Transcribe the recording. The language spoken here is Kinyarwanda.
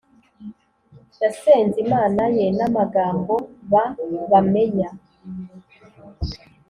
yasenze Imana ye n amagambo ba bamenya